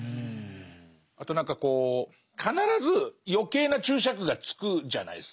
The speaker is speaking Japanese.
あと何か必ず余計な注釈がつくじゃないですか。